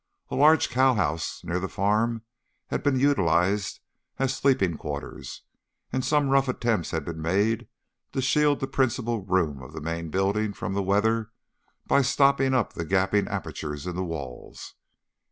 A large cowhouse near the farm had been utilised as sleeping quarters, and some rough attempts had been made to shield the principal room of the main building from the weather by stopping up the gaping apertures in the walls.